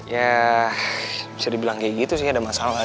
ya bisa dibilang kayak gitu sih ada masalah